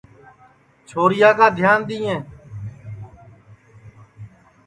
چھورِیا کا دھِیان دِؔئیں